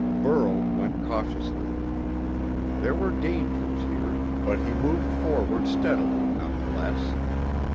Burl went cautiously. There were dangers here, but he moved forward steadily, none the less.